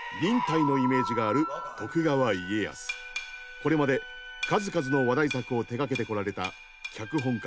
これまで数々の話題作を手がけてこられた脚本家